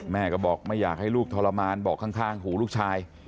แม่ก็บอกไม่อยากให้ลูกทรมานบอกข้างหูลูกชาย